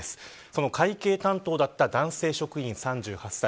その会計担当だった男性職員、３８歳。